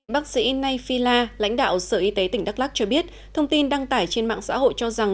bác sĩ nay phila lãnh đạo sở y tế tỉnh đắk lắc cho biết thông tin đăng tải trên mạng xã hội cho rằng